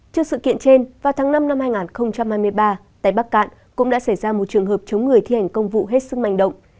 trước sự kiện trên vào tháng năm năm hai nghìn hai mươi ba tại bắc cạn cũng đã xảy ra một trường hợp chống người thi hành công vụ hết sức manh động